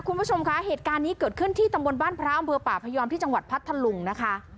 คุณผู้ชมคะเหตุการณ์นี้เกิดขึ้นที่ตำบลบ้านพระอำเภอป่าพยอมที่จังหวัดพัทธลุงนะคะ